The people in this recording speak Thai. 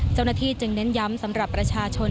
เจ้าหน้าที่จึงเน้นย้ำสำหรับประชาชน